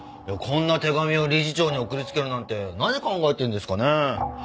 こんな手紙を理事長に送りつけるなんて何考えてるんですかね？